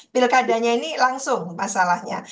pilkadanya ini langsung masalahnya